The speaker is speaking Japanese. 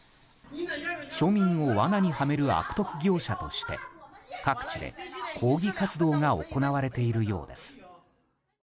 庶民を罠にはめる悪徳業者として各地で抗議活動が行われているようです。